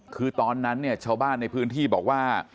คือตอนนั้นเนี่ยชาวบ้านในพื้นที่บอกว่า